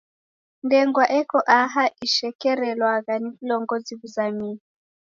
Ndengwa eko aha ishekerelwagha ni vilongozi w'izamie.